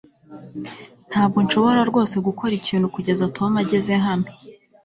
ntabwo nshobora rwose gukora ikintu kugeza tom ageze hano